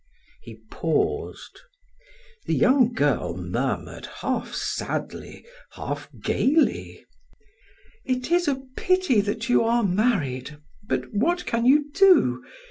He paused. The young girl murmured half sadly, half gaily: "It is a pity that you are married; but what can you do?